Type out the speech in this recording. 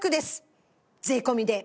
税込で。